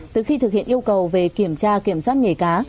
từ khi thực hiện yêu cầu về kiểm tra kiểm soát nghề cá